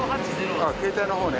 ああ携帯の方ね。